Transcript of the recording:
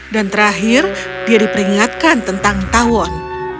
dan terakhir dia diperingatkan tentang tawon